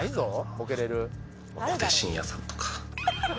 小手伸也さんとか。